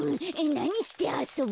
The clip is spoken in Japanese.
なにしてあそぶ？